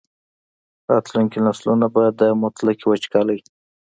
راتلونکي نسلونه به د مطلقې وچکالۍ.